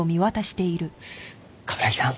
冠城さん